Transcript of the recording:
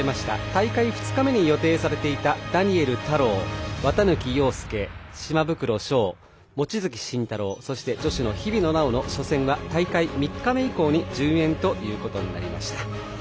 大会２日目に予定されていたダニエル太郎、綿貫陽介島袋将、望月慎太郎そして女子の日比野菜緒の初戦は大会３日目以降に順延となりました。